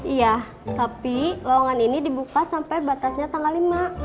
iya tapi lowongan ini dibuka sampai batasnya tanggal lima